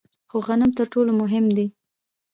خو غنم تر ټولو مهم دي.